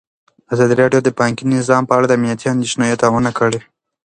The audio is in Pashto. ازادي راډیو د بانکي نظام په اړه د امنیتي اندېښنو یادونه کړې.